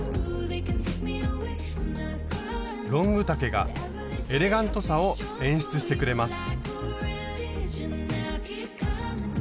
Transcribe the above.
ロング丈がエレガントさを演出してくれます。